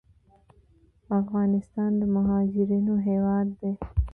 افغانستان د مهاجرینو هیواد دی